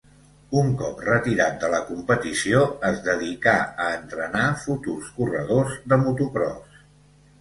Un cop retirat de la competició, es dedicà a entrenar futurs corredors de motocròs.